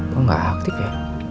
kok gak aktif ya